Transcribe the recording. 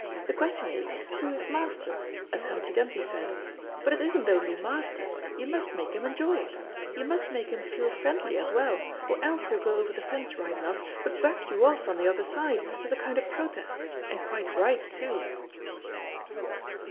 The question is, 'Who is master?' as Humpty Dumpty said. But it isn't only master; you must make him enjoy it. You must make him feel friendly as well, or else he'll go over the fence right enough, but buck you off on the other side, as a kind of protest, and quite right too."